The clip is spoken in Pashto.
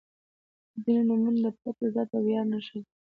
• ځینې نومونه د پت، عزت او ویاړ نښه ده.